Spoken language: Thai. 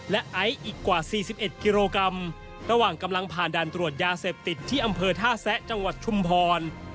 และไอซ์อีกกว่า๔๑กิโลกรัมระหว่างกำลังผ่านด่านตรวจยาเสพติดที่อำเภอท่าแซะจังหวัดชุมพร